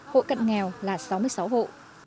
hộ cận nghèo là sáu mươi sáu hộ